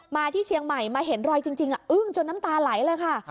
ที่เชียงใหม่มาเห็นรอยจริงอึ้งจนน้ำตาไหลเลยค่ะ